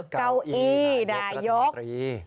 เกาอีนายกรัฐมนตรี